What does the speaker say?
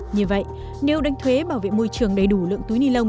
như vậy nếu đánh thuế bảo vệ môi trường đầy đủ lượng túi ni lông